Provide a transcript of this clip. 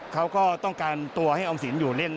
เขาก็ต้องการตัวให้ออมสินอยู่เล่น